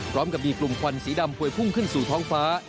พร้อมกับมีกลุ่มควันสีดำพวยพุ่งขึ้นสู่ท้องฟ้า